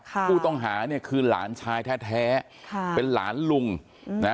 ผู้ต้องหาเนี่ยคือหลานชายแท้แท้ค่ะเป็นหลานลุงนะ